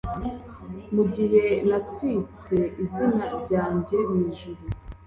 mugihe natwitse izina ryanjye mwijuru